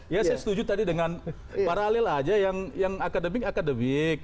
ya saya setuju tadi dengan paralel aja yang akademik akademik